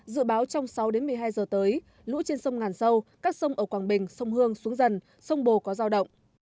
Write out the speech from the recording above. dự báo trong sáu đến một mươi hai giờ tới lũ trên sông ngàn sâu các sông ở quảng bình sông hương xuống dần sông bồ có giao động